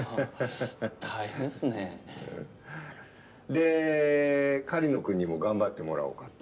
で狩野くんにも頑張ってもらおうかと。